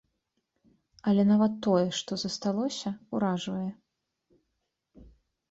Але нават тое, што засталося, уражвае.